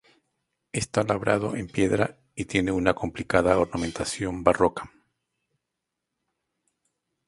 Está labrado en piedra y tiene una complicada ornamentación barroca.